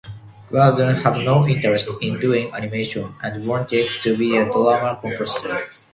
Clausen "had no interest in doing animation" and "wanted to be a "drama" composer.